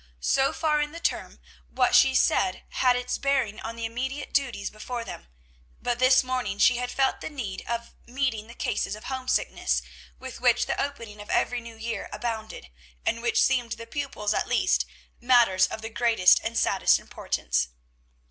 So far in the term, what she said had its bearing on the immediate duties before them; but this morning she had felt the need of meeting the cases of homesickness with which the opening of every new year abounded, and which seemed, to the pupils at least, matters of the greatest and saddest importance.